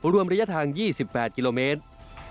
รวมระยะทาง๒๘กิโลเมตร